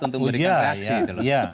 untuk memberikan reaksi